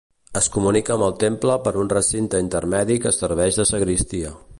Es comunica amb el temple per un recinte intermedi que serveix de sagristia.